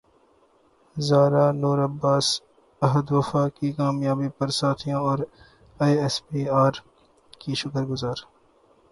زارا نور عباس عہد وفا کی کامیابی پر ساتھیوں اور ائی ایس پی ار کی شکر گزار